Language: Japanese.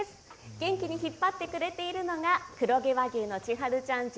元気に引っ張ってくれているのが黒毛和牛のちはるちゃん